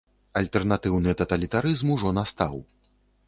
Альтэрнатыўны таталітарызм ужо настаў.